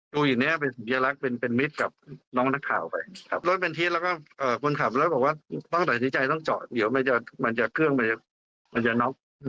ชูอีวิทยาลักษณ์